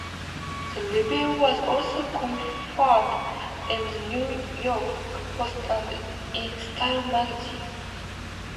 The reveal was also confirmed in The New York Post and In Style Magazine.